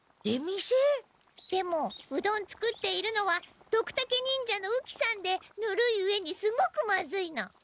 出店？でもうどん作っているのはドクタケ忍者の雨鬼さんでぬるい上にすごくまずいの。